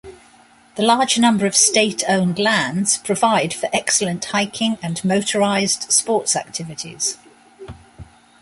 The large number of state-owned lands provide for excellent hiking and motorized sports activities.